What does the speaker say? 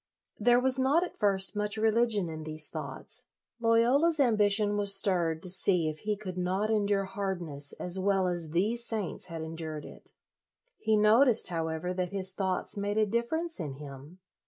' There was not, at first, much religion in these thoughts. Loyola's ambition was stirred to see if he could not endure hard ness as well as these saints had endured it. He noticed, however, that his thoughts made a difference in him.